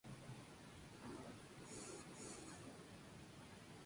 Estos se encuentran en un amplio estado de deterioro.